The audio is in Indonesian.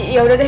ya udah deh